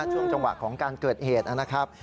ช่วงจังหวะของการเกิดเหตุนะครับ